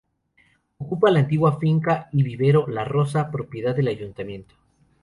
Ocupa la antigua finca y vivero "La Rosa", propiedad del ayuntamiento.